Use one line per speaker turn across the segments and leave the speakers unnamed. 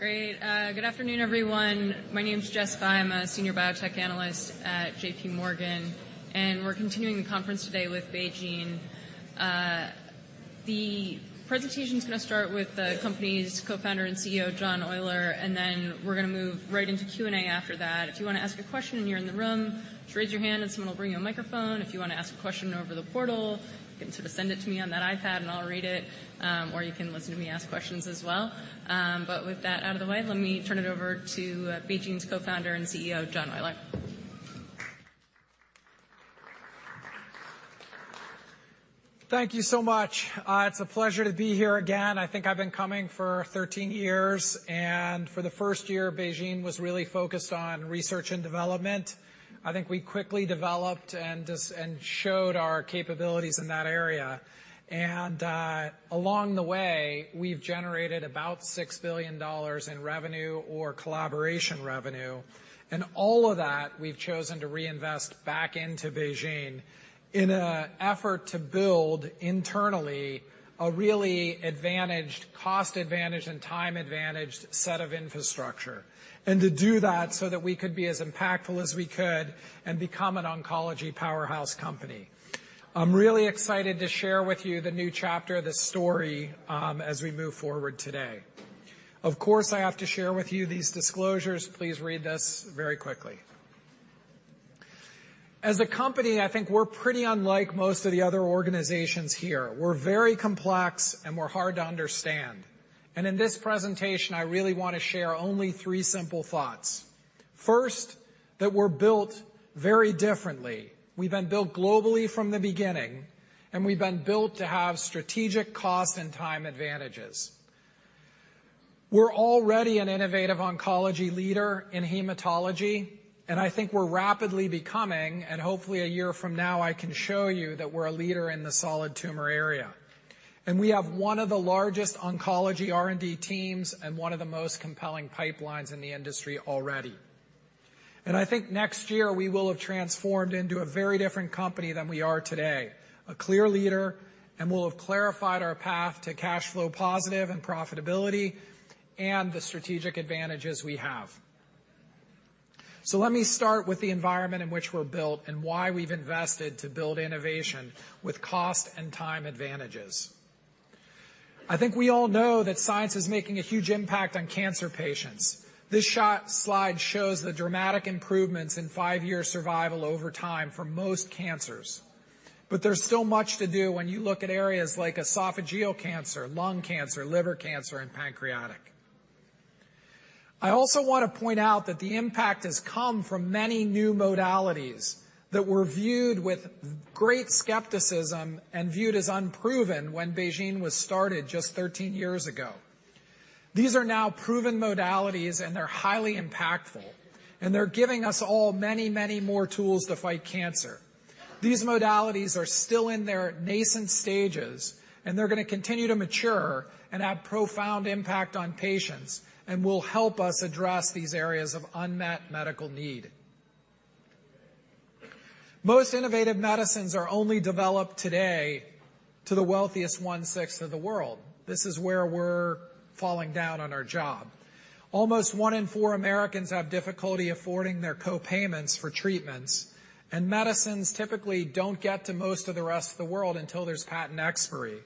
Great. Good afternoon, everyone. My name is Jess Fye. I'm a senior biotech analyst at J.P. Morgan, and we're continuing the conference today with BeiGene. The presentation is going to start with the company's co-founder and CEO, John Oyler, and then we're going to move right into Q&A after that. If you want to ask a question and you're in the room, just raise your hand and someone will bring you a microphone. If you want to ask a question over the portal, you can sort of send it to me on that iPad, and I'll read it, or you can listen to me ask questions as well. But with that out of the way, let me turn it over to BeiGene's co-founder and CEO, John Oyler.
Thank you so much. It's a pleasure to be here again. I think I've been coming for 13 years, and for the first year, BeiGene was really focused on research and development. I think we quickly developed and showed our capabilities in that area. Along the way, we've generated about $6 billion in revenue or collaboration revenue, and all of that we've chosen to reinvest back into BeiGene in an effort to build internally a really advantaged, cost-advantaged and time-advantaged set of infrastructure. To do that so that we could be as impactful as we could and become an oncology powerhouse company. I'm really excited to share with you the new chapter of this story, as we move forward today. Of course, I have to share with you these disclosures. Please read this very quickly. As a company, I think we're pretty unlike most of the other organizations here. We're very complex, and we're hard to understand. In this presentation, I really want to share only three simple thoughts. First, that we're built very differently. We've been built globally from the beginning, and we've been built to have strategic costs and time advantages. We're already an innovative oncology leader in hematology, and I think we're rapidly becoming, and hopefully, a year from now, I can show you that we're a leader in the solid tumor area. We have one of the largest oncology R&D teams and one of the most compelling pipelines in the industry already. I think next year we will have transformed into a very different company than we are today, a clear leader, and we'll have clarified our path to cash flow positive and profitability and the strategic advantages we have. Let me start with the environment in which we're built and why we've invested to build innovation with cost and time advantages. I think we all know that science is making a huge impact on cancer patients. This slide shows the dramatic improvements in five-year survival over time for most cancers, but there's still much to do when you look at areas like esophageal cancer, lung cancer, liver cancer, and pancreatic. I also want to point out that the impact has come from many new modalities that were viewed with great skepticism and viewed as unproven when BeiGene was started just 13 years ago. These are now proven modalities, and they're highly impactful, and they're giving us all many, many more tools to fight cancer. These modalities are still in their nascent stages, and they're going to continue to mature and have profound impact on patients and will help us address these areas of unmet medical need. Most innovative medicines are only developed today to the wealthiest one-sixth of the world. This is where we're falling down on our job. Almost one in four Americans have difficulty affording their co-payments for treatments, and medicines typically don't get to most of the rest of the world until there's patent expiry.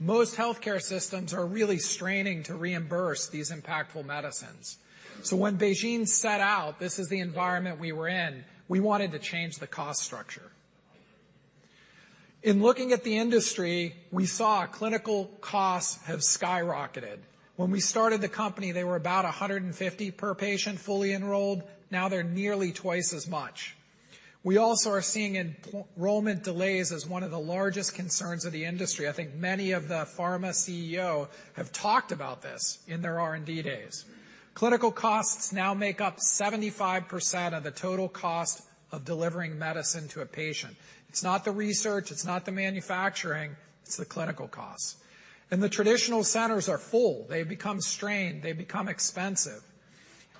Most healthcare systems are really straining to reimburse these impactful medicines. So when BeiGene set out, this is the environment we were in, we wanted to change the cost structure. In looking at the industry, we saw clinical costs have skyrocketed. When we started the company, they were about 150 per patient, fully enrolled. Now they're nearly twice as much. We also are seeing enrollment delays as one of the largest concerns of the industry. I think many of the pharma CEOs have talked about this in their R&D days. Clinical costs now make up 75% of the total cost of delivering medicine to a patient. It's not the research, it's not the manufacturing, it's the clinical costs. The traditional centers are full. They become strained, they become expensive.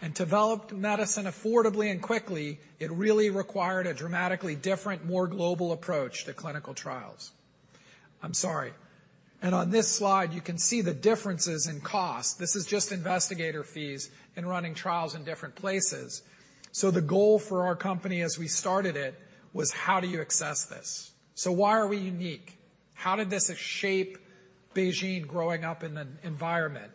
And developed medicine affordably and quickly, it really required a dramatically different, more global approach to clinical trials. I'm sorry. On this slide, you can see the differences in cost. This is just investigator fees in running trials in different places. So the goal for our company as we started it, was how do you access this? So why are we unique? How did this shape BeiGene growing up in an environment?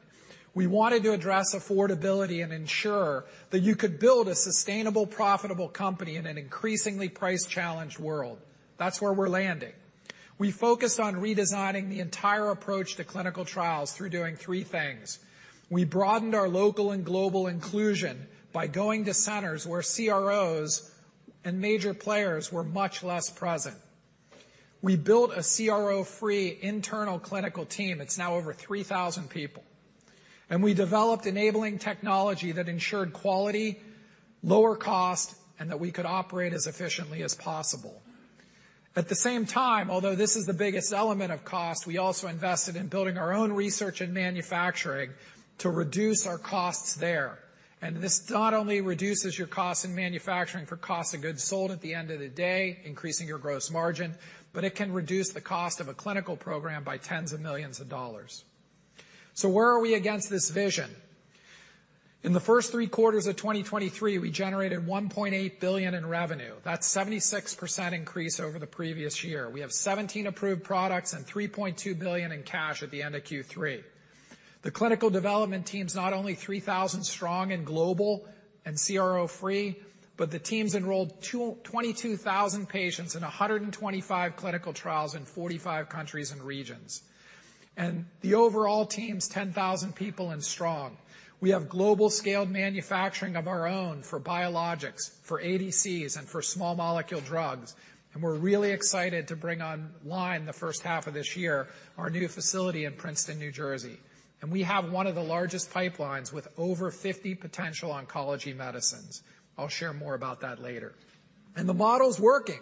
We wanted to address affordability and ensure that you could build a sustainable, profitable company in an increasingly price-challenged world. That's where we're landing. We focused on redesigning the entire approach to clinical trials through doing three things. We broadened our local and global inclusion by going to centers where CROs and major players were much less present. We built a CRO-free internal clinical team. It's now over 3,000 people, and we developed enabling technology that ensured quality, lower cost, and that we could operate as efficiently as possible. At the same time, although this is the biggest element of cost, we also invested in building our own research and manufacturing to reduce our costs there.... This not only reduces your cost in manufacturing for cost of goods sold at the end of the day, increasing your gross margin, but it can reduce the cost of a clinical program by tens of millions of dollars. Where are we against this vision? In the first three quarters of 2023, we generated $1.8 billion in revenue. That's 76% increase over the previous year. We have 17 approved products and $3.2 billion in cash at the end of Q3. The clinical development team is not only 3,000 strong and global and CRO-free, but the teams enrolled 22,000 patients in 125 clinical trials in 45 countries and regions. The overall team is 10,000 people strong. We have global scaled manufacturing of our own for biologics, for ADCs, and for small molecule drugs, and we're really excited to bring online in the first half of this year, our new facility in Princeton, New Jersey. We have one of the largest pipelines with over 50 potential oncology medicines. I'll share more about that later. The model's working.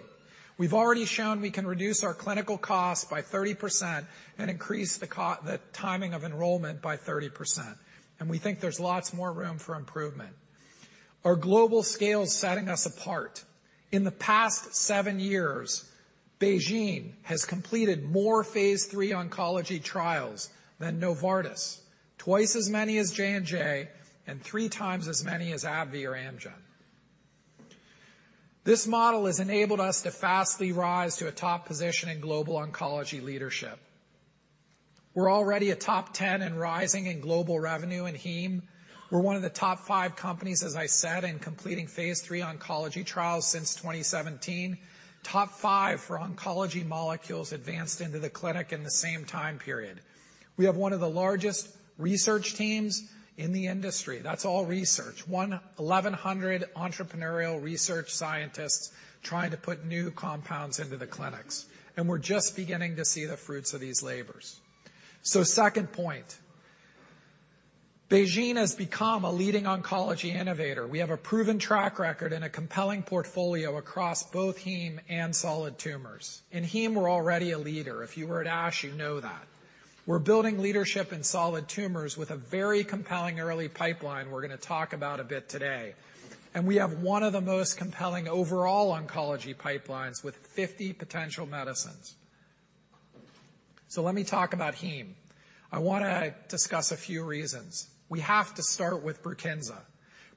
We've already shown we can reduce our clinical costs by 30% and increase the timing of enrollment by 30%, and we think there's lots more room for improvement. Our global scale is setting us apart. In the past 7 years, BeiGene has completed more phase III oncology trials than Novartis, twice as many as J&J, and three times as many as AbbVie or Amgen. This model has enabled us to quickly rise to a top position in global oncology leadership. We're already a top 10 and rising in global revenue in heme. We're one of the top five companies, as I said, in completing phase III oncology trials since 2017. Top five for oncology molecules advanced into the clinic in the same time period. We have one of the largest research teams in the industry. That's all research. 1,100 entrepreneurial research scientists trying to put new compounds into the clinics, and we're just beginning to see the fruits of these labors. So second point, BeiGene has become a leading oncology innovator. We have a proven track record and a compelling portfolio across both heme and solid tumors. In heme, we're already a leader. If you were at ASH, you know that. We're building leadership in solid tumors with a very compelling early pipeline we're going to talk about a bit today. We have one of the most compelling overall oncology pipelines with 50 potential medicines. Let me talk about heme. I want to discuss a few reasons. We have to start with BRUKINSA.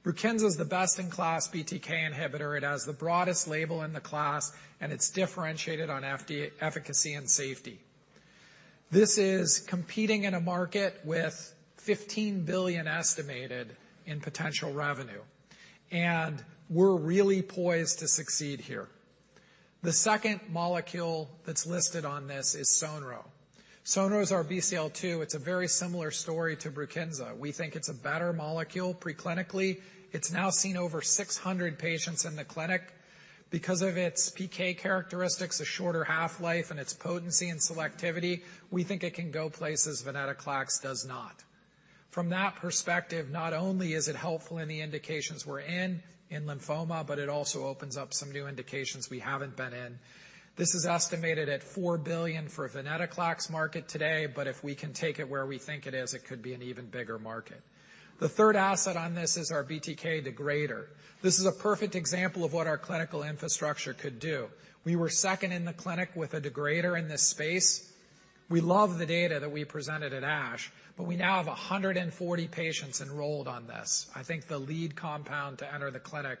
BRUKINSA is the best-in-class BTK inhibitor. It has the broadest label in the class, and it's differentiated on efficacy and safety. This is competing in a market with $15 billion estimated in potential revenue, and we're really poised to succeed here. The second molecule that's listed on this is sonro. Sonro is our BCL-2. It's a very similar story to BRUKINSA. We think it's a better molecule preclinically. It's now seen over 600 patients in the clinic. Because of its PK characteristics, a shorter half-life, and its potency and selectivity, we think it can go places venetoclax does not. From that perspective, not only is it helpful in the indications we're in, in lymphoma, but it also opens up some new indications we haven't been in. This is estimated at $4 billion for venetoclax market today, but if we can take it where we think it is, it could be an even bigger market. The third asset on this is our BTK degrader. This is a perfect example of what our clinical infrastructure could do. We were second in the clinic with a degrader in this space. We love the data that we presented at ASH, but we now have 140 patients enrolled on this. I think the lead compound to enter the clinic,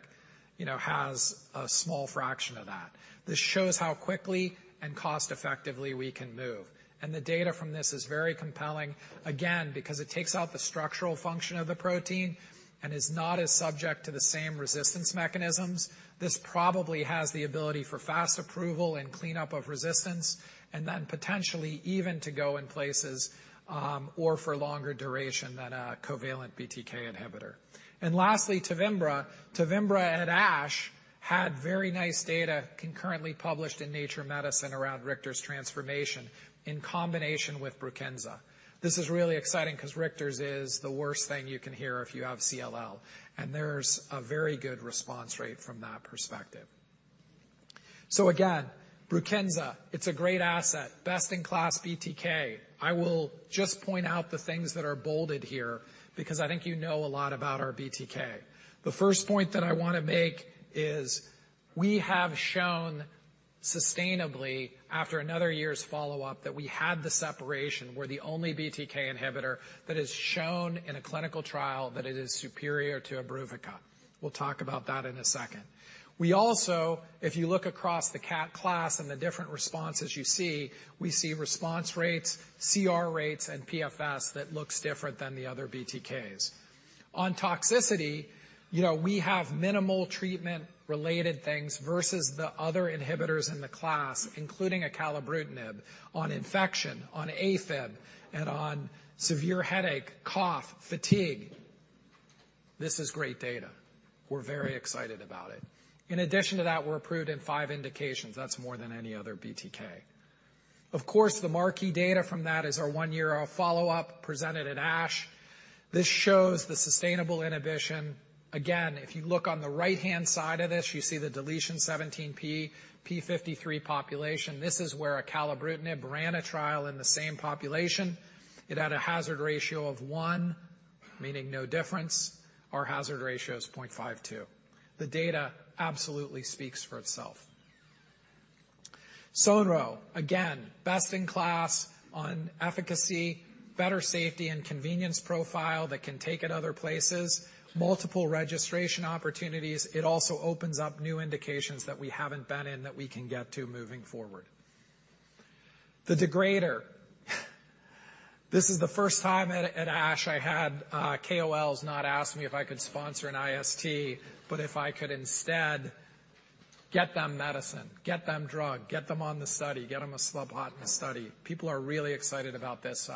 you know, has a small fraction of that. This shows how quickly and cost-effectively we can move. The data from this is very compelling, again, because it takes out the structural function of the protein and is not as subject to the same resistance mechanisms. This probably has the ability for fast approval and cleanup of resistance, and then potentially even to go in places, or for longer duration than a covalent BTK inhibitor. And lastly, TEVIMBRA. TEVIMBRA at ASH had very nice data concurrently published in Nature Medicine around Richter's transformation in combination with BRUKINSA. This is really exciting because Richter's is the worst thing you can hear if you have CLL, and there's a very good response rate from that perspective. So again, BRUKINSA, it's a great asset, best-in-class BTK. I will just point out the things that are bolded here because I think you know a lot about our BTK. The first point that I want to make is we have shown sustainably, after another year's follow-up, that we had the separation. We're the only BTK inhibitor that has shown in a clinical trial that it is superior to IMBRUVICA. We'll talk about that in a second. We also, if you look across the cat class and the different responses you see, we see response rates, CR rates, and PFS that looks different than the other BTKs. On toxicity, you know, we have minimal treatment-related things versus the other inhibitors in the class, including acalabrutinib, on infection, on AFib, and on severe headache, cough, fatigue. This is great data. We're very excited about it. In addition to that, we're approved in five indications. That's more than any other BTK. Of course, the marquee data from that is our one-year follow-up presented at ASH. This shows the sustainable inhibition. Again, if you look on the right-hand side of this, you see the deletion 17p, p53 population. This is where acalabrutinib ran a trial in the same population. It had a hazard ratio of 1, meaning no difference. Our hazard ratio is 0.52. The data absolutely speaks for itself.... sonro, again, best in class on efficacy, better safety and convenience profile that can take it other places, multiple registration opportunities. It also opens up new indications that we haven't been in, that we can get to moving forward. The degrader, this is the first time at ASH I had KOLs not ask me if I could sponsor an IST, but if I could instead get them medicine, get them drug, get them on the study, get them a slot in the study. People are really excited about this.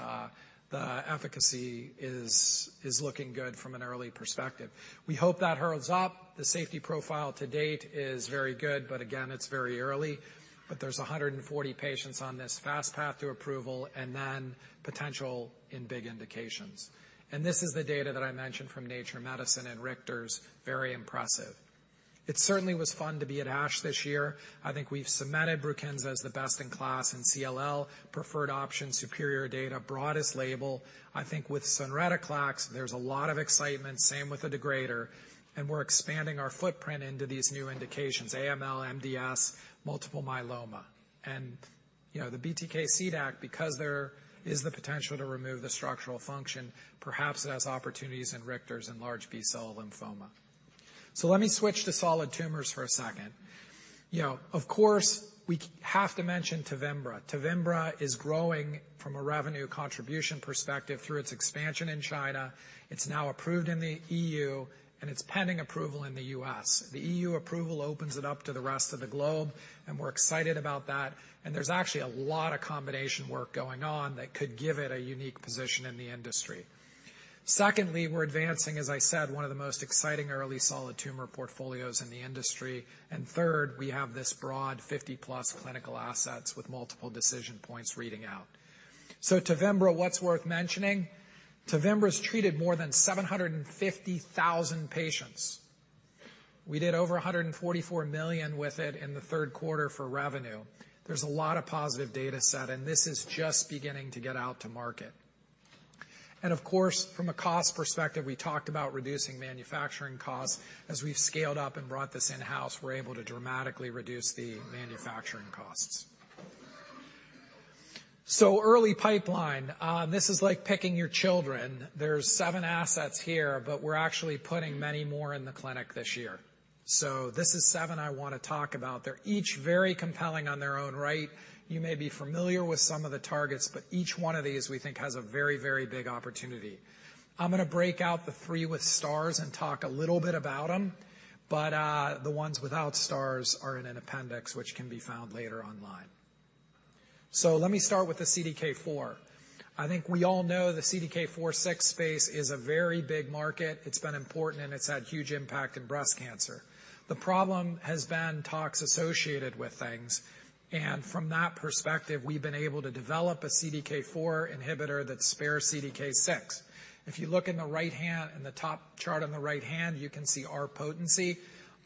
The efficacy is looking good from an early perspective. We hope that holds up. The safety profile to date is very good, but again, it's very early. But there's 140 patients on this fast path to approval and then potential in big indications. And this is the data that I mentioned from Nature Medicine and Richter's. Very impressive. It certainly was fun to be at ASH this year. I think we've cemented BRUKINSA as the best in class in CLL, preferred option, superior data, broadest label. I think with sonrotoclax, there's a lot of excitement. Same with the degrader, and we're expanding our footprint into these new indications, AML, MDS, multiple myeloma. And, you know, the BTK CDAC, because there is the potential to remove the structural function, perhaps it has opportunities in Richter's and large B-cell lymphoma. So let me switch to solid tumors for a second. You know, of course, we have to mention TEVIMBRA. TEVIMBRA is growing from a revenue contribution perspective through its expansion in China. It's now approved in the E.U., and it's pending approval in the U.S. The E.U. approval opens it up to the rest of the globe, and we're excited about that, and there's actually a lot of combination work going on that could give it a unique position in the industry. Secondly, we're advancing, as I said, one of the most exciting early solid tumor portfolios in the industry. And third, we have this broad 50+ clinical assets with multiple decision points reading out. So TEVIMBRA, what's worth mentioning? TEVIMBRA's treated more than 750,000 patients. We did over $144 million with it in the third quarter for revenue. There's a lot of positive data set, and this is just beginning to get out to market. Of course, from a cost perspective, we talked about reducing manufacturing costs. As we've scaled up and brought this in-house, we're able to dramatically reduce the manufacturing costs. Early pipeline, this is like picking your children. There's seven assets here, but we're actually putting many more in the clinic this year. This is seven I want to talk about. They're each very compelling on their own right. You may be familiar with some of the targets, but each one of these, we think, has a very, very big opportunity. I'm going to break out the three with stars and talk a little bit about them, but the ones without stars are in an appendix which can be found later online. Let me start with the CDK4. I think we all know the CDK4/6 space is a very big market. It's been important, and it's had huge impact in breast cancer. The problem has been tox associated with things, and from that perspective, we've been able to develop a CDK4 inhibitor that spares CDK6. If you look in the right hand, in the top chart on the right hand, you can see our potency.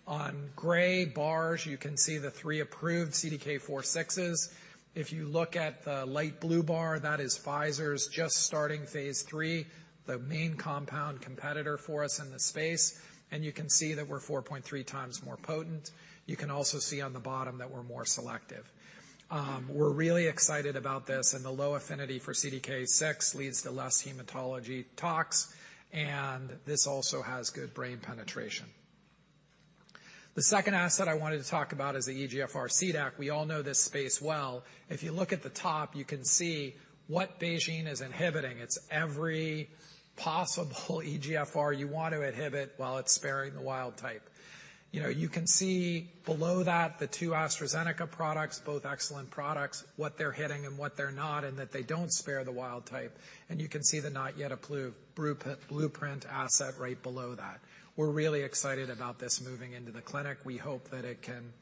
On gray bars, you can see the three approved CDK4/6s. If you look at the light blue bar, that is Pfizer's just starting phase III, the main compound competitor for us in the space, and you can see that we're 4.3 times more potent. You can also see on the bottom that we're more selective. We're really excited about this, and the low affinity for CDK6 leads to less hematology tox, and this also has good brain penetration. The second asset I wanted to talk about is the EGFR CDAC. We all know this space well. If you look at the top, you can see what BeiGene is inhibiting. It's every possible EGFR you want to inhibit while it's sparing the wild type. You know, you can see below that the two AstraZeneca products, both excellent products, what they're hitting and what they're not, and that they don't spare the wild type. And you can see the not yet approved Blueprint asset right below that. We're really excited about this moving into the clinic. We hope that it can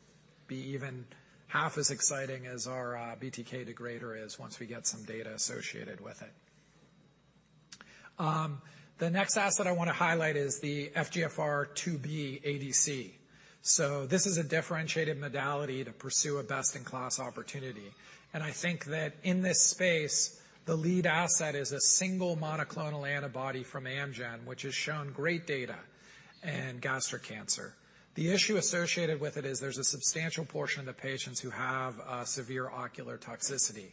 be even half as exciting as our BTK degrader is once we get some data associated with it. The next asset I want to highlight is the FGFR2b ADC. So this is a differentiated modality to pursue a best-in-class opportunity. I think that in this space, the lead asset is a single monoclonal antibody from Amgen, which has shown great data in gastric cancer. The issue associated with it is there's a substantial portion of the patients who have severe ocular toxicity.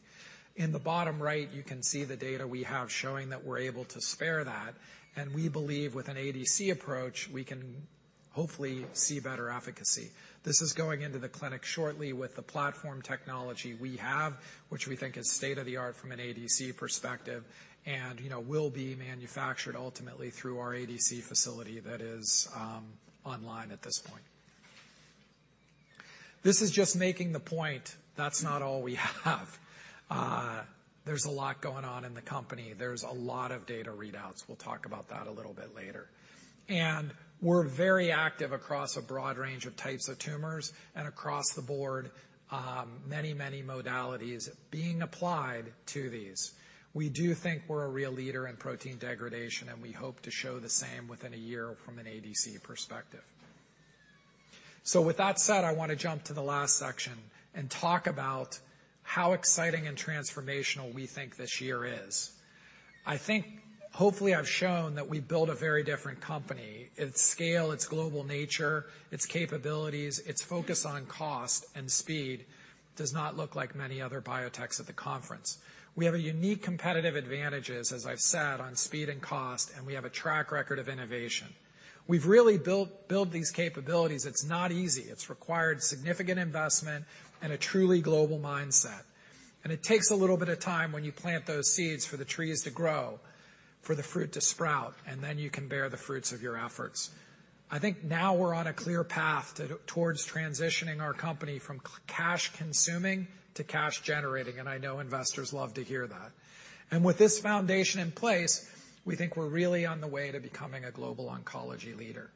In the bottom right, you can see the data we have showing that we're able to spare that, and we believe with an ADC approach, we can hopefully see better efficacy. This is going into the clinic shortly with the platform technology we have, which we think is state-of-the-art from an ADC perspective, and, you know, will be manufactured ultimately through our ADC facility that is online at this point. This is just making the point. That's not all we have. There's a lot going on in the company. There's a lot of data readouts. We'll talk about that a little bit later. We're very active across a broad range of types of tumors and across the board, many, many modalities being applied to these. We do think we're a real leader in protein degradation, and we hope to show the same within a year from an ADC perspective. So with that said, I want to jump to the last section and talk about how exciting and transformational we think this year is. I think. Hopefully, I've shown that we've built a very different company. Its scale, its global nature, its capabilities, its focus on cost and speed does not look like many other biotechs at the conference. We have a unique competitive advantages, as I've said, on speed and cost, and we have a track record of innovation. We've really built these capabilities. It's not easy. It's required significant investment and a truly global mindset, and it takes a little bit of time when you plant those seeds for the trees to grow, for the fruit to sprout, and then you can bear the fruits of your efforts. I think now we're on a clear path towards transitioning our company from cash consuming to cash generating, and I know investors love to hear that. And with this foundation in place, we think we're really on the way to becoming a global oncology leader.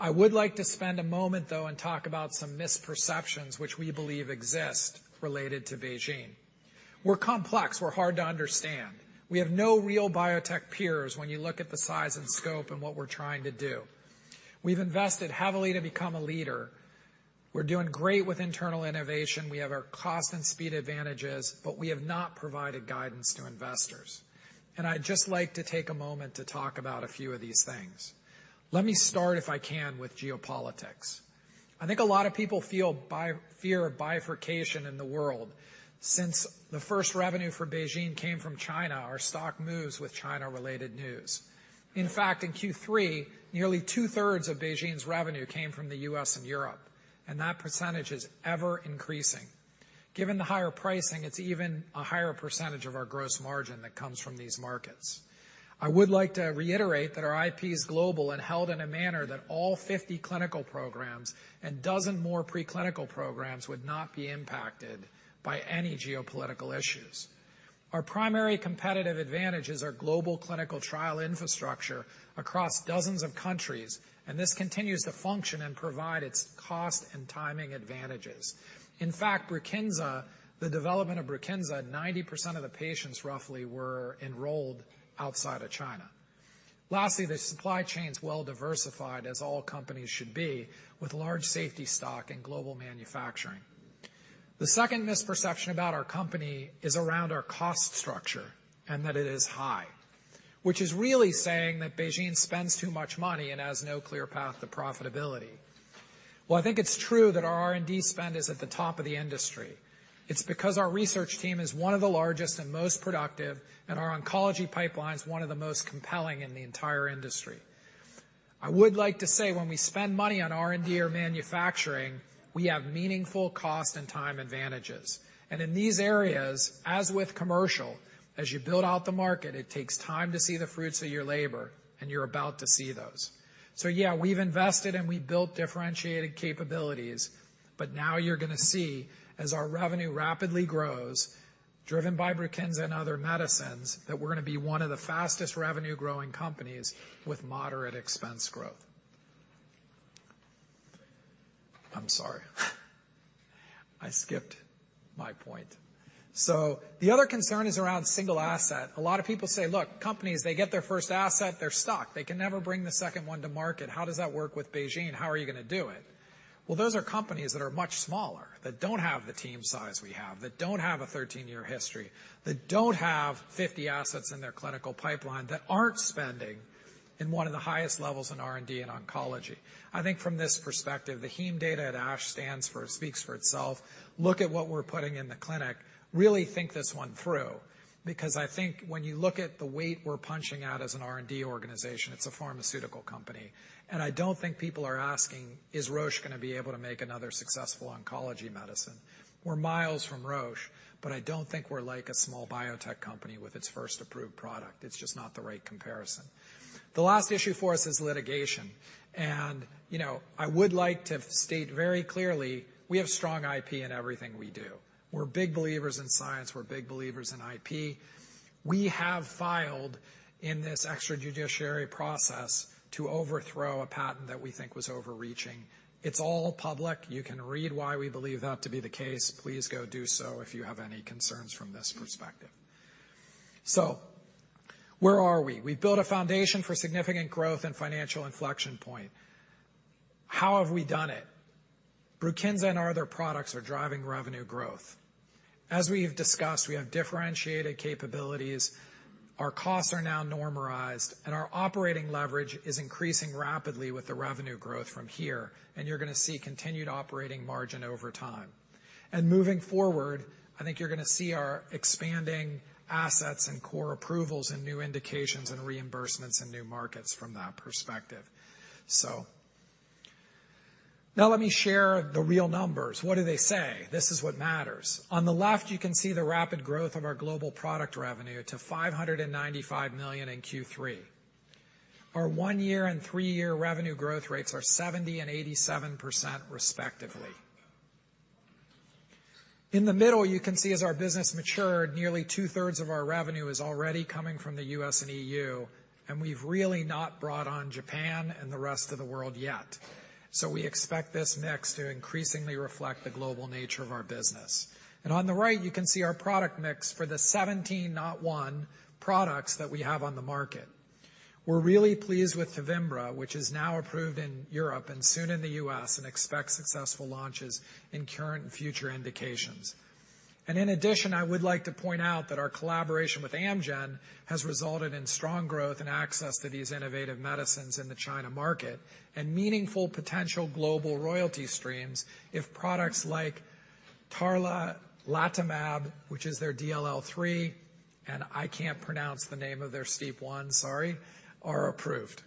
I would like to spend a moment, though, and talk about some misperceptions which we believe exist related to BeiGene. We're complex. We're hard to understand. We have no real biotech peers when you look at the size and scope and what we're trying to do. We've invested heavily to become a leader. We're doing great with internal innovation. We have our cost and speed advantages, but we have not provided guidance to investors, and I'd just like to take a moment to talk about a few of these things. Let me start, if I can, with geopolitics. I think a lot of people feel fear of bifurcation in the world. Since the first revenue for BeiGene came from China, our stock moves with China-related news. In fact, in Q3, nearly two-thirds of BeiGene's revenue came from the U.S. and Europe, and that percentage is ever increasing. Given the higher pricing, it's even a higher percentage of our gross margin that comes from these markets. I would like to reiterate that our IP is global and held in a manner that all 50 clinical programs and dozen more preclinical programs would not be impacted by any geopolitical issues. Our primary competitive advantages are global clinical trial infrastructure across dozens of countries, and this continues to function and provide its cost and timing advantages. In fact, BRUKINSA, the development of BRUKINSA, 90% of the patients roughly were enrolled outside of China. Lastly, the supply chain is well diversified, as all companies should be, with large safety stock and global manufacturing. The second misperception about our company is around our cost structure, and that it is high, which is really saying that BeiGene spends too much money and has no clear path to profitability. Well, I think it's true that our R&D spend is at the top of the industry. It's because our research team is one of the largest and most productive, and our oncology pipeline is one of the most compelling in the entire industry. I would like to say, when we spend money on R&D or manufacturing, we have meaningful cost and time advantages. And in these areas, as with commercial, as you build out the market, it takes time to see the fruits of your labor, and you're about to see those. So yeah, we've invested, and we built differentiated capabilities, but now you're going to see, as our revenue rapidly grows, driven by BRUKINSA and other medicines, that we're going to be one of the fastest revenue-growing companies with moderate expense growth. I'm sorry. I skipped my point. So the other concern is around single asset. A lot of people say, "Look, companies, they get their first asset, they're stuck. They can never bring the second one to market. How does that work with BeiGene? How are you going to do it?" Well, those are companies that are much smaller, that don't have the team size we have, that don't have a 13-year history, that don't have 50 assets in their clinical pipeline, that aren't spending in one of the highest levels in R&D and oncology. I think from this perspective, the heme data at ASH stands for, speaks for itself. Look at what we're putting in the clinic. Really think this one through, because I think when you look at the weight we're punching out as an R&D organization, it's a pharmaceutical company, and I don't think people are asking, "Is Roche going to be able to make another successful oncology medicine?" We're miles from Roche, but I don't think we're like a small biotech company with its first approved product. It's just not the right comparison. The last issue for us is litigation, and, you know, I would like to state very clearly, we have strong IP in everything we do. We're big believers in science. We're big believers in IP. We have filed in this extrajudicial process to overthrow a patent that we think was overreaching. It's all public. You can read why we believe that to be the case. Please go do so if you have any concerns from this perspective. So where are we? We've built a foundation for significant growth and financial inflection point. How have we done it? BRUKINSA and other products are driving revenue growth. As we've discussed, we have differentiated capabilities, our costs are now normalized, and our operating leverage is increasing rapidly with the revenue growth from here, and you're going to see continued operating margin over time. Moving forward, I think you're going to see our expanding assets and core approvals and new indications and reimbursements in new markets from that perspective. Now let me share the real numbers. What do they say? This is what matters. On the left, you can see the rapid growth of our global product revenue to $595 million in Q3. Our one-year and three-year revenue growth rates are 70% and 87%, respectively. In the middle, you can see as our business matured, nearly two-thirds of our revenue is already coming from the U.S. and E.U., and we've really not brought on Japan and the rest of the world yet. So we expect this next to increasingly reflect the global nature of our business. And on the right, you can see our product mix for the 17, not 1, products that we have on the market ... We're really pleased with TEVIMBRA, which is now approved in Europe and soon in the U.S., and expect successful launches in current and future indications. In addition, I would like to point out that our collaboration with Amgen has resulted in strong growth and access to these innovative medicines in the China market, and meaningful potential global royalty streams if products like tarlatamab, which is their DLL3, and I can't pronounce the name of their STEAP1, sorry, are approved.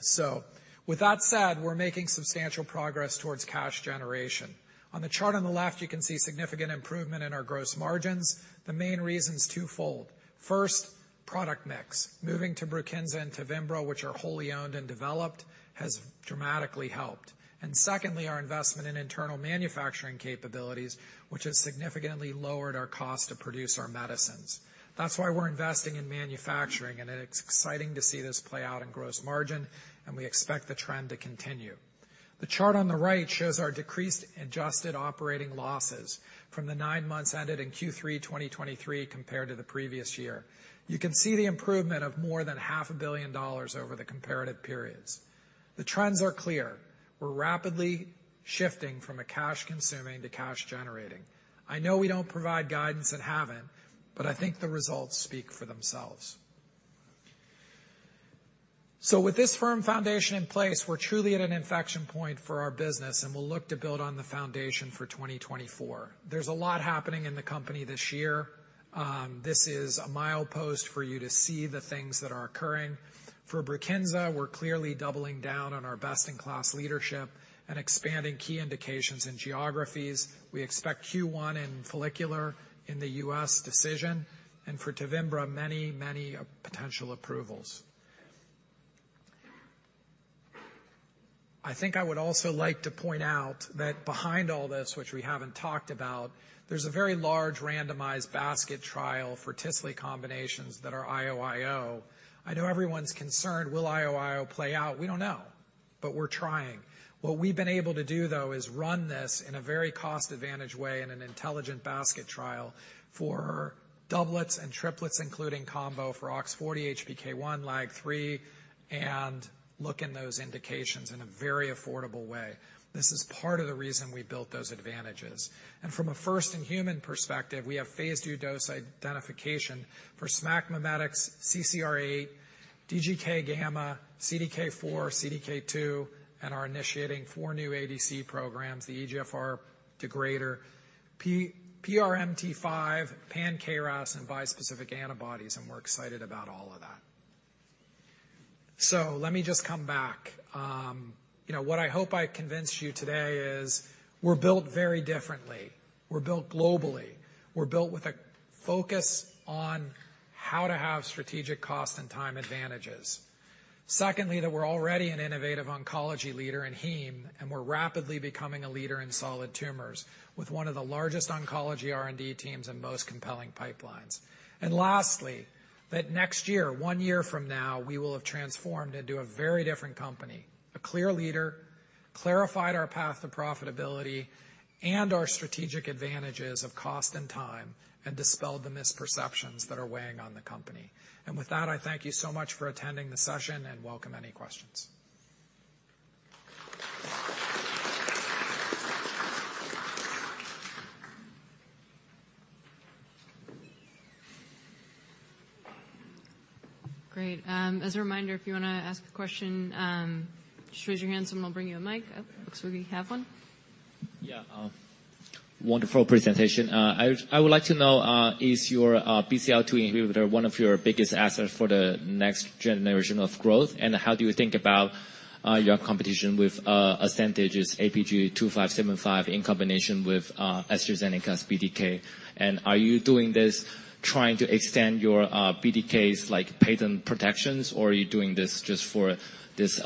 So with that said, we're making substantial progress towards cash generation. On the chart on the left, you can see significant improvement in our gross margins. The main reason is twofold. First, product mix. Moving to BRUKINSA and TEVIMBRA, which are wholly owned and developed, has dramatically helped. Secondly, our investment in internal manufacturing capabilities, which has significantly lowered our cost to produce our medicines. That's why we're investing in manufacturing, and it's exciting to see this play out in gross margin, and we expect the trend to continue. The chart on the right shows our decreased adjusted operating losses from the nine months ended in Q3 2023, compared to the previous year. You can see the improvement of more than $500 million over the comparative periods. The trends are clear. We're rapidly shifting from a cash-consuming to cash-generating. I know we don't provide guidance and haven't, but I think the results speak for themselves. So with this firm foundation in place, we're truly at an inflection point for our business, and we'll look to build on the foundation for 2024. There's a lot happening in the company this year. This is a milepost for you to see the things that are occurring. For BRUKINSA, we're clearly doubling down on our best-in-class leadership and expanding key indications in geographies. We expect Q1 in follicular in the U.S. decision, and for TEVIMBRA, many, many potential approvals. I think I would also like to point out that behind all this, which we haven't talked about, there's a very large randomized basket trial for TEVIMBRA combinations that are IOIO. I know everyone's concerned. Will IOIO play out? We don't know, but we're trying. What we've been able to do, though, is run this in a very cost-advantage way, in an intelligent basket trial for doublets and triplets, including combo for OX40, HPK1, LAG-3, and look in those indications in a very affordable way. This is part of the reason we built those advantages. From a first-in-human perspective, we have phase II dose identification for SMAC mimetics, CCR8, DGK gamma, CDK4, CDK2, and are initiating 4 new ADC programs, the EGFR Degrader, PRMT5, pan-KRAS, and bispecific antibodies, and we're excited about all of that. So let me just come back. You know, what I hope I convinced you today is we're built very differently. We're built globally. We're built with a focus on how to have strategic cost and time advantages. Secondly, that we're already an innovative oncology leader in heme, and we're rapidly becoming a leader in solid tumors with one of the largest oncology R&D teams and most compelling pipelines. And lastly, that next year, one year from now, we will have transformed into a very different company, a clear leader, clarified our path to profitability and our strategic advantages of cost and time, and dispelled the misperceptions that are weighing on the company. And with that, I thank you so much for attending the session and welcome any questions.
Great. As a reminder, if you want to ask a question, just raise your hands and we'll bring you a mic. Looks like we have one.
Yeah, wonderful presentation. I would like to know, is your BCL-2 inhibitor one of your biggest assets for the next generation of growth? And how do you think about your competition with Ascentage's APG-2575, in combination with AstraZeneca's BTK? And are you doing this trying to extend your BTK's, like, patent protections, or are you doing this just for this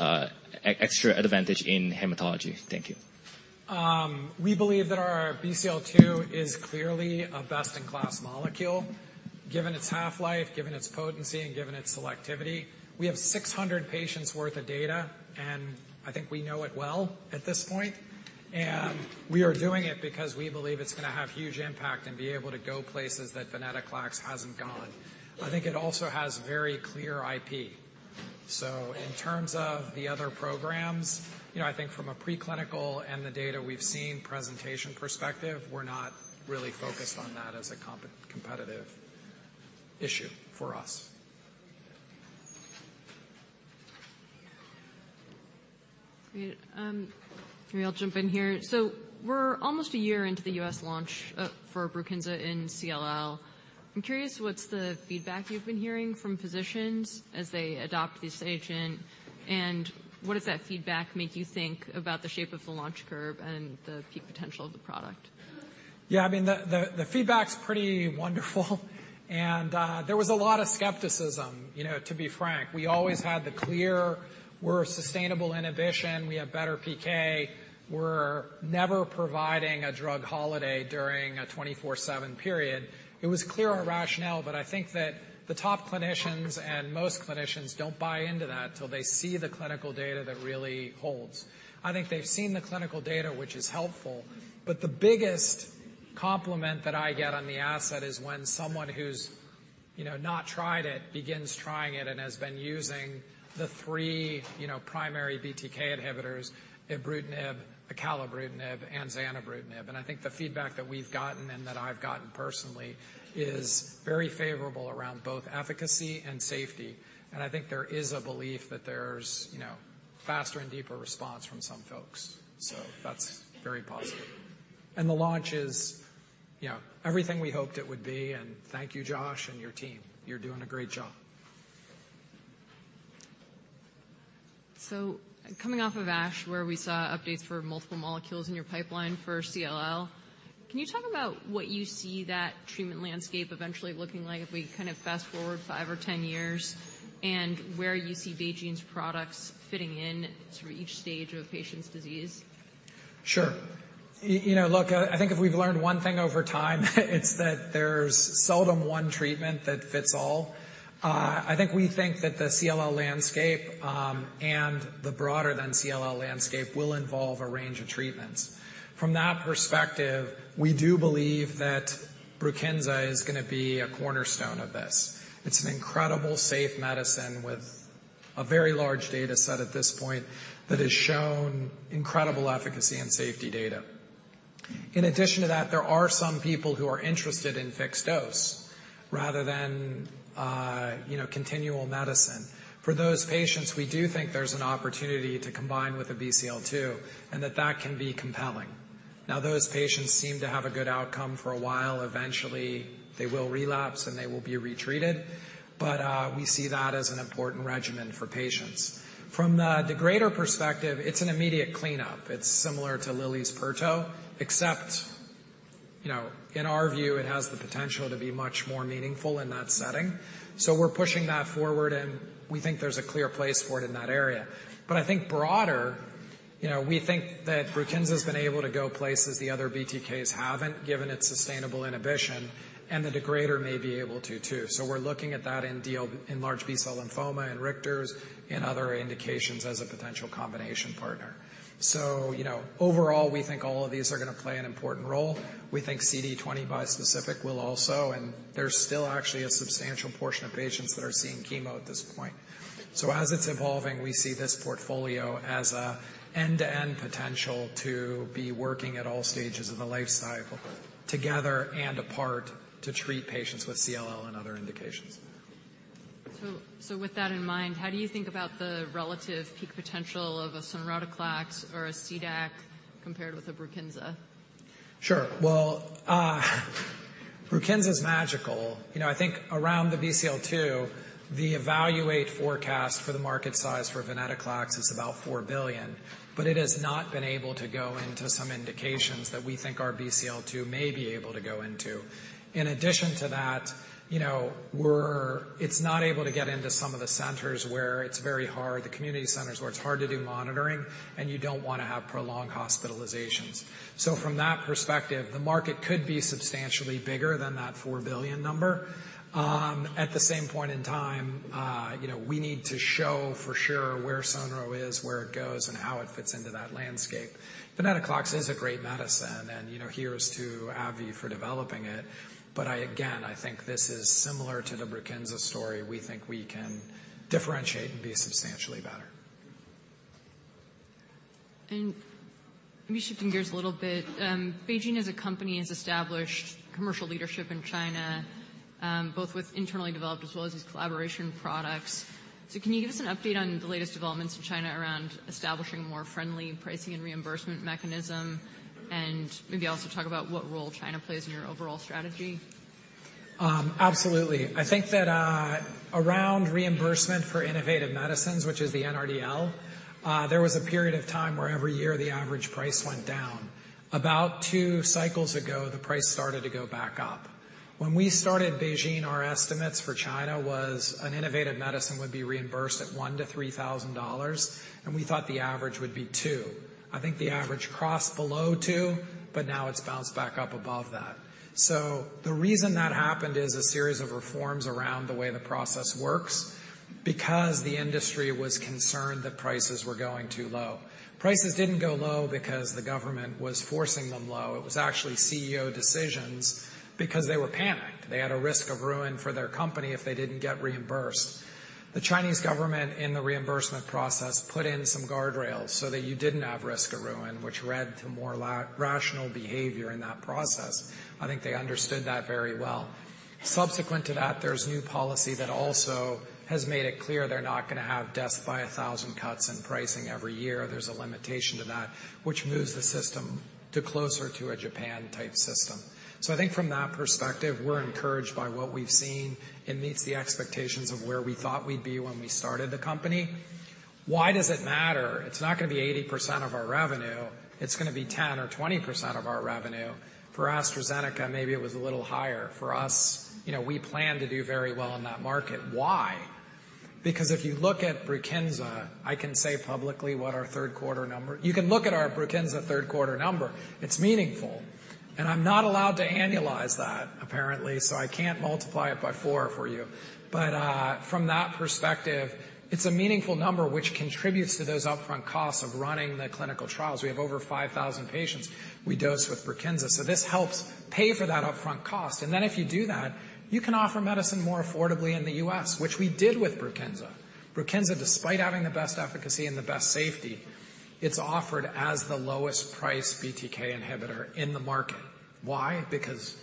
extra advantage in hematology? Thank you.
We believe that our BCL-2 is clearly a best-in-class molecule, given its half-life, given its potency, and given its selectivity. We have 600 patients worth of data, and I think we know it well at this point. We are doing it because we believe it's gonna have huge impact and be able to go places that venetoclax hasn't gone. I think it also has very clear IP. So in terms of the other programs, you know, I think from a preclinical and the data we've seen, presentation perspective, we're not really focused on that as a competitive issue for us.
Great. Maybe I'll jump in here. So we're almost a year into the U.S. launch for BRUKINSA in CLL. I'm curious, what's the feedback you've been hearing from physicians as they adopt this agent? And what does that feedback make you think about the shape of the launch curve and the peak potential of the product?
Yeah, I mean, the feedback's pretty wonderful. And there was a lot of skepticism, you know, to be frank. We always had the clear, we're a sustainable inhibition. We have better PK. We're never providing a drug holiday during a 24/7 period. It was clear our rationale, but I think that the top clinicians and most clinicians don't buy into that until they see the clinical data that really holds. I think they've seen the clinical data, which is helpful, but the biggest compliment that I get on the asset is when someone who's, you know, not tried it, begins trying it, and has been using the three, you know, primary BTK inhibitors, ibrutinib, acalabrutinib, and zanubrutinib. And I think the feedback that we've gotten and that I've gotten personally is very favorable around both efficacy and safety. I think there is a belief that there's, you know, faster and deeper response from some folks. That's very positive. The launch is, you know, everything we hoped it would be. And thank you, Josh, and your team. You're doing a great job.
So coming off of ASH, where we saw updates for multiple molecules in your pipeline for CLL, can you talk about what you see that treatment landscape eventually looking like if we kind of fast-forward 5 or 10 years, and where you see BeiGene's products fitting in through each stage of a patient's disease?
Sure. You know, look, I think if we've learned one thing over time, it's that there's seldom one treatment that fits all. I think we think that the CLL landscape, and the broader than CLL landscape will involve a range of treatments. From that perspective, we do believe that BRUKINSA is gonna be a cornerstone of this. It's an incredible, safe medicine with a very large data set at this point that has shown incredible efficacy and safety data. In addition to that, there are some people who are interested in fixed dose rather than, you know, continual medicine. For those patients, we do think there's an opportunity to combine with a BCL-2, and that that can be compelling. Now, those patients seem to have a good outcome for a while. Eventually, they will relapse, and they will be retreated, but we see that as an important regimen for patients. From the greater perspective, it's an immediate cleanup. It's similar to Lilly's pirto, except, you know, in our view, it has the potential to be much more meaningful in that setting. So we're pushing that forward, and we think there's a clear place for it in that area. But I think broader, you know, we think that BRUKINSA's been able to go places the other BTKs haven't, given its sustainable inhibition, and the degrader may be able to too. So we're looking at that in DL, in large B-cell lymphoma and Richter's and other indications as a potential combination partner. So, you know, overall, we think all of these are gonna play an important role. We think CD20 bispecific will also, and there's still actually a substantial portion of patients that are seeing chemo at this point. So as it's evolving, we see this portfolio as an end-to-end potential to be working at all stages of the life cycle, together and apart, to treat patients with CLL and other indications.
So, with that in mind, how do you think about the relative peak potential of sonrotoclax or a CDAC compared with a BRUKINSA?
Sure. Well, BRUKINSA's magical. You know, I think around the BCL-2, the Evaluate forecast for the market size for venetoclax is about $4 billion, but it has not been able to go into some indications that we think our BCL-2 may be able to go into. In addition to that, you know, it's not able to get into some of the centers where it's very hard, the community centers, where it's hard to do monitoring, and you don't wanna have prolonged hospitalizations. So from that perspective, the market could be substantially bigger than that $4 billion number. At the same point in time, you know, we need to show for sure where sonro is, where it goes, and how it fits into that landscape. Venetoclax is a great medicine, and, you know, here's to AbbVie for developing it. But I, again, I think this is similar to the BRUKINSA story. We think we can differentiate and be substantially better.
Let me shifting gears a little bit. BeiGene as a company, has established commercial leadership in China, both with internally developed as well as these collaboration products. Can you give us an update on the latest developments in China around establishing more friendly pricing and reimbursement mechanism? And maybe also talk about what role China plays in your overall strategy.
Absolutely. I think that, around reimbursement for innovative medicines, which is the NRDL, there was a period of time where every year the average price went down. About two cycles ago, the price started to go back up. When we started BeiGene, our estimates for China was an innovative medicine, would be reimbursed at $1,000-$3,000, and we thought the average would be $2,000. I think the average crossed below $2,000, but now it's bounced back up above that. So the reason that happened is a series of reforms around the way the process works, because the industry was concerned that prices were going too low. Prices didn't go low because the government was forcing them low. It was actually CEO decisions because they were panicked. They had a risk of ruin for their company if they didn't get reimbursed. The Chinese government, in the reimbursement process, put in some guardrails so that you didn't have risk of ruin, which led to more rational behavior in that process. I think they understood that very well. Subsequent to that, there's new policy that also has made it clear they're not gonna have deaths by a thousand cuts in pricing every year. There's a limitation to that, which moves the system to closer to a Japan-type system. So I think from that perspective, we're encouraged by what we've seen. It meets the expectations of where we thought we'd be when we started the company. Why does it matter? It's not gonna be 80% of our revenue. It's gonna be 10% or 20% of our revenue. For AstraZeneca, maybe it was a little higher. For us, you know, we plan to do very well in that market. Why?... Because if you look at BRUKINSA, I can say publicly what our third quarter number. You can look at our BRUKINSA third quarter number. It's meaningful, and I'm not allowed to annualize that, apparently, so I can't multiply it by four for you. But from that perspective, it's a meaningful number, which contributes to those upfront costs of running the clinical trials. We have over 5,000 patients we dosed with BRUKINSA, so this helps pay for that upfront cost. And then if you do that, you can offer medicine more affordably in the U.S., which we did with BRUKINSA. BRUKINSA, despite having the best efficacy and the best safety, it's offered as the lowest price BTK inhibitor in the market. Why? Because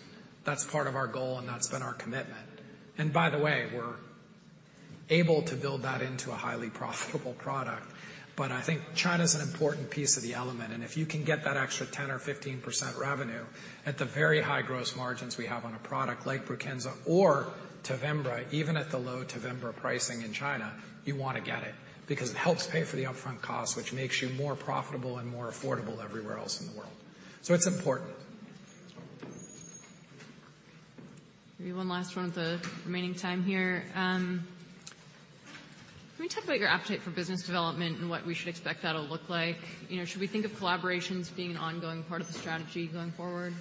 that's part of our goal, and that's been our commitment. And by the way, we're able to build that into a highly profitable product. I think China's an important piece of the element, and if you can get that extra 10%-15% revenue at the very high gross margins we have on a product like BRUKINSA or TEVIMBRA, even at the low TEVIMBRA pricing in China, you want to get it, because it helps pay for the upfront cost, which makes you more profitable and more affordable everywhere else in the world. So it's important.
Maybe one last one with the remaining time here. Can we talk about your appetite for business development and what we should expect that'll look like? You know, should we think of collaborations being an ongoing part of the strategy going forward?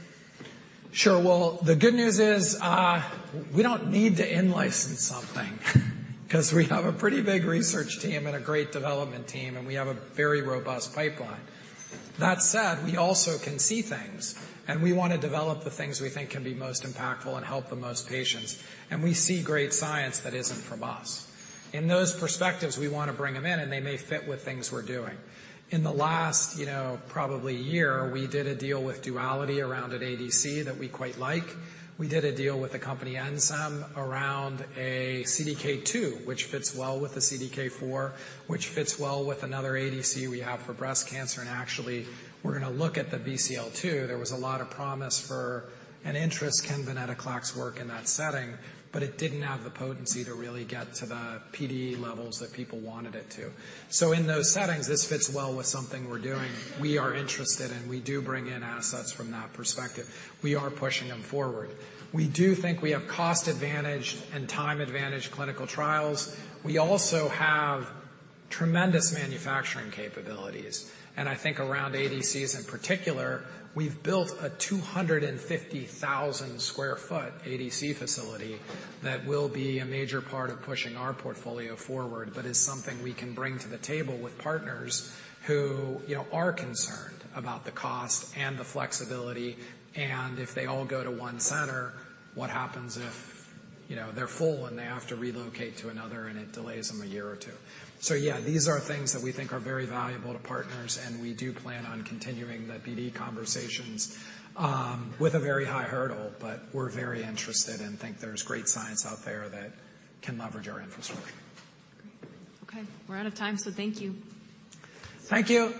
Sure. Well, the good news is, we don't need to in-license something because we have a pretty big research team and a great development team, and we have a very robust pipeline. That said, we also can see things, and we want to develop the things we think can be most impactful and help the most patients, and we see great science that isn't from us. In those perspectives, we want to bring them in, and they may fit with things we're doing. In the last, you know, probably year, we did a deal with Duality around an ADC that we quite like. We did a deal with the company Ensem around a CDK2, which fits well with the CDK4, which fits well with another ADC we have for breast cancer, and actually, we're going to look at the BCL-2. There was a lot of promise and interest in venetoclax work in that setting, but it didn't have the potency to really get to the PFS levels that people wanted it to. So in those settings, this fits well with something we're doing. We are interested, and we do bring in assets from that perspective. We are pushing them forward. We do think we have cost advantage and time advantage clinical trials. We also have tremendous manufacturing capabilities, and I think around ADCs in particular, we've built a 250,000 sq ft ADC facility that will be a major part of pushing our portfolio forward, but is something we can bring to the table with partners who, you know, are concerned about the cost and the flexibility, and if they all go to one center, what happens if, you know, they're full, and they have to relocate to another, and it delays them a year or two? So yeah, these are things that we think are very valuable to partners, and we do plan on continuing the BD conversations with a very high hurdle, but we're very interested and think there's great science out there that can leverage our infrastructure.
Okay, we're out of time, so thank you.
Thank you.